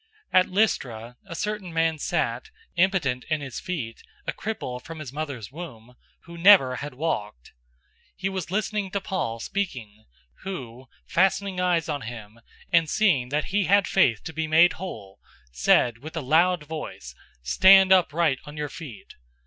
014:008 At Lystra a certain man sat, impotent in his feet, a cripple from his mother's womb, who never had walked. 014:009 He was listening to Paul speaking, who, fastening eyes on him, and seeing that he had faith to be made whole, 014:010 said with a loud voice, "Stand upright on your feet!"